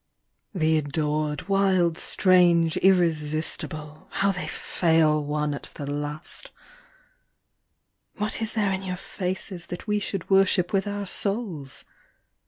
THE adored, wild, strange, irresistible, How they fail one at the last ! What is there in your faces That we should worship with our souls